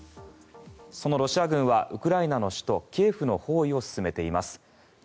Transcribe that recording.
そのロシア軍はウクライナの首都キエフの包囲を進めています。